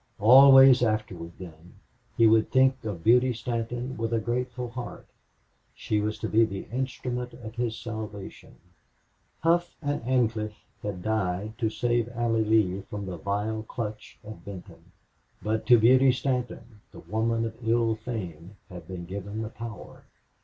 Always afterward, then, he would think of Beauty Stanton with a grateful heart. She was to be the instrument of his salvation. Hough and Ancliffe had died to save Allie Lee from the vile clutch of Benton; but to Beauty Stanton, the woman of ill fame, had been given the power.